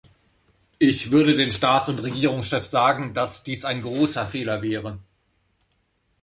Ich würde den Staats- und Regierungschefs sagen, dass dies ein großer Fehler wäre.